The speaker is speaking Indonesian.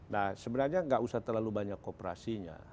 nah sebenarnya nggak usah terlalu banyak kooperasinya